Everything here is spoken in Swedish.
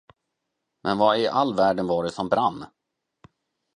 Men vad i all världen var det som brann?